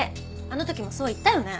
あの時もそう言ったよね？